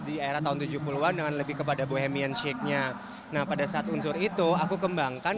di era tahun tujuh puluh an dengan lebih kepada bohemianship nya nah pada saat unsur itu aku kembangkan